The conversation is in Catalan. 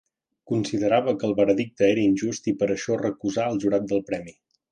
Considerava que el veredicte era injust i per això recusà el jurat del premi.